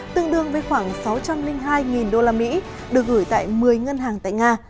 tương đương với khoảng sáu trăm linh hai usd được gửi tại một mươi ngân hàng tại nga